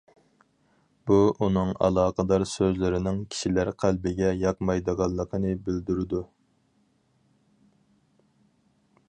بۇ ئۇنىڭ ئالاقىدار سۆزلىرىنىڭ كىشىلەر قەلبىگە ياقمايدىغانلىقىنى بىلدۈرىدۇ.